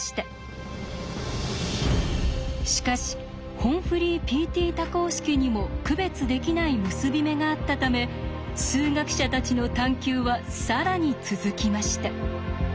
しかしＨＯＭＦＬＹＰＴ多項式にも区別できない結び目があったため数学者たちの探求は更に続きました。